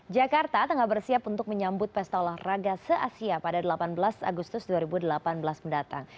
jakarta tengah bersiap untuk menyambut pesta olahraga se asia pada delapan belas agustus dua ribu delapan belas mendatang